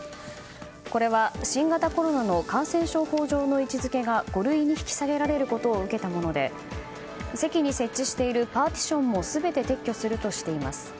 これは新型コロナの感染症法の位置づけが５類に引き下げられることを受けたもので席に設置しているパーティションもすぐに撤去するとしています。